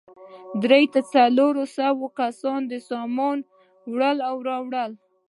درې یا څلور سوه کسان سامانونه وړي او راوړي.